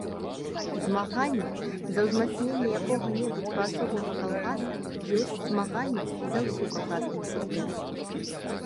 Змаганне за ўзмацненне якога-небудзь паасобнага калгаса ёсць змаганне за ўсю калгасную сістэму.